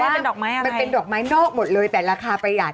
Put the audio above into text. จะบอกว่ามันเป็นดอกไม้นอกหมดเลยแต่ราคาประหยัด